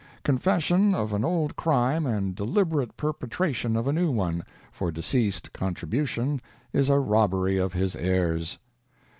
Confession of an old crime and deliberate perpetration of a new one; for deceased's contribution is a robbery of his heirs.